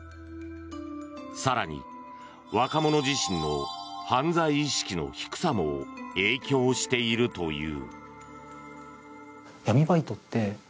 更に、若者自身の犯罪意識の低さも影響しているという。